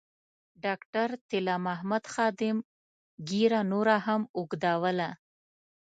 ډاکټر طلا محمد خادم ږیره نوره هم اوږدوله.